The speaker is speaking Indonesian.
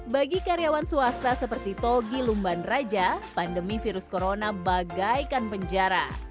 bagi karyawan swasta seperti togi lumban raja pandemi virus corona bagaikan penjara